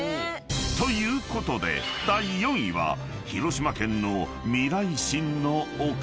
［ということで第４位は広島県の未来心の丘］